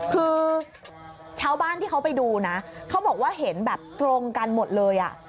คือชาวบ้านที่เขาไปดูนะเขาบอกว่าเห็นแบบตรงกันหมดเลย